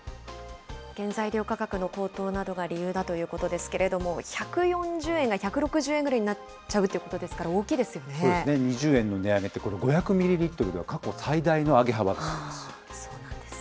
原材料価格の高騰などが理由だということですけれども、１４０円が１６０円ぐらいになっちゃうっていうことですから、大そうですね、２０円の値上げって、５００ミリリットルでは、過去最大の上げ幅だそうです。